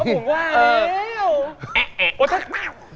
เพราะผมว่าแอ๊ะแอ๊ะ